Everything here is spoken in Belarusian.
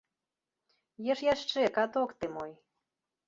Еш яшчэ, каток ты мой!